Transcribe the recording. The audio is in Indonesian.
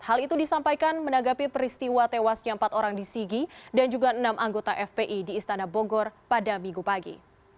hal itu disampaikan menanggapi peristiwa tewasnya empat orang di sigi dan juga enam anggota fpi di istana bogor pada minggu pagi